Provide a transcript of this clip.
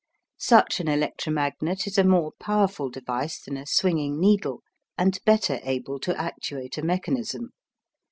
Such an electromagnet is a more powerful device than a swinging needle, and better able to actuate a mechanism.